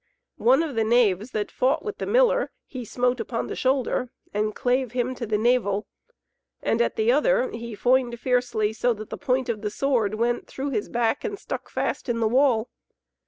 One of the knaves that fought with the miller, he smote upon the shoulder and clave him to the navel. And at the other he foined fiercely so that the point of the sword went through his back and stuck fast in the wall.